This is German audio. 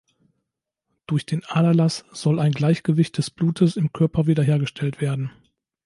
Durch den Aderlass soll ein Gleichgewicht des Blutes im Körper wiederhergestellt werden.